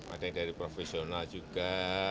ada yang dari profesional juga